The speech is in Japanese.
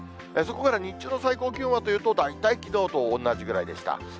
そこから日中の最高気温はというと、大体きのうと同じぐらいでした。